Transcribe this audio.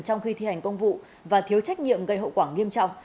trong khi thi hành công vụ và thiếu trách nhiệm gây hậu quả nghiêm trọng